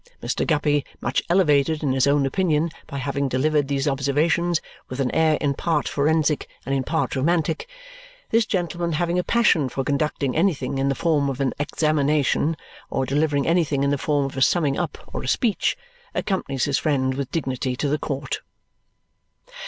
Mr. Guppy, much elevated in his own opinion by having delivered these observations, with an air in part forensic and in part romantic this gentleman having a passion for conducting anything in the form of an examination, or delivering anything in the form of a summing up or a speech accompanies his friend with dignity to the court.